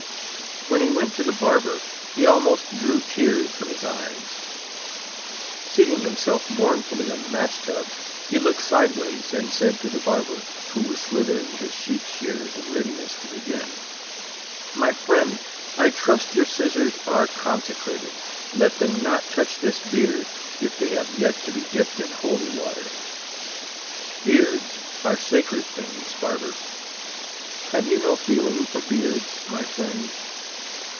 When he went to the barber he almost drew tears from his eyes. Seating himself mournfully on the match tub, he looked sideways, and said to the barber, who was slithering his sheep shears in readiness to begin: "My friend, I trust your scissors are consecrated. Let them not touch this beard if they have yet to be dipped in holy water; beards are sacred things, barber. Have you no feeling for beards, my friend?